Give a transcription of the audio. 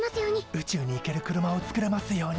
宇宙に行ける車を作れますように！